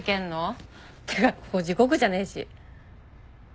てかここ地獄じゃねえし。